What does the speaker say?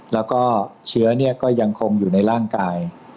แล้วก็เชื้อก็ยังคงอยู่ในร่างกาย